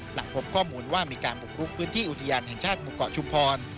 หลังพบข้อมูลว่ามีการบุกรุกพื้นที่อุทยานแห่งชาติหมู่เกาะชุมพร